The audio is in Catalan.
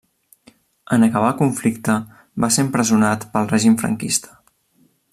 En acabar el conflicte va ser empresonat pel règim Franquista.